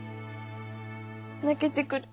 泣けてくる。